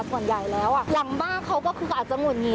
ส่วนใหญ่แล้วหลังบ้านเขาก็คือเขาอาจจะหุดหงิ